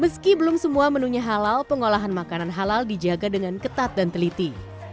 meski belum semua menunya halal pengolahan makanan halal dijaga dengan ketat dan teliti